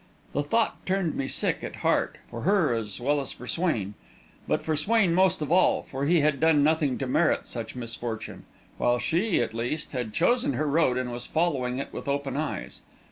The thought turned me sick at heart, for her as well as for Swain, but for Swain most of all, for he had done nothing to merit such misfortune, while she, at least, had chosen her road and was following it with open eyes.